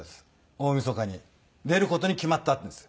大みそかに出る事に決まったんです。